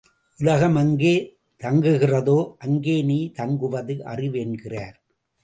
உலகம் எங்கே தங்குகிறதோ அங்கே நீ தங்குவது அறிவு என்கிறார்.